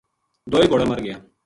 دوئے گھوڑا مر گیا